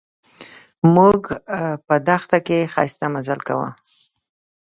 موږ په دښته کې ښایسته مزل کاوه.